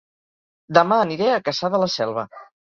Dema aniré a Cassà de la Selva